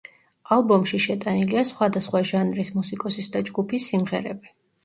ალბომში შეტანილია სხვადასხვა ჟანრის მუსიკოსის და ჯგუფის სიმღერები.